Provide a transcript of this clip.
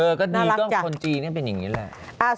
ก็ดีก็คนจีนก็เป็นอย่างนี้แหละ